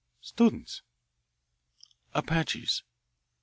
"Students." "Apaches."